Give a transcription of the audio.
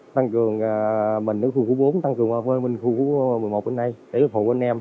tăng cường mình ở khu khu bốn tăng cường mình ở khu một mươi một bên đây để phụ anh em